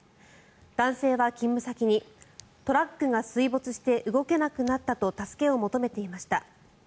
男性は勤務先にトラックが水没して動けなくなったと助けを求めていました。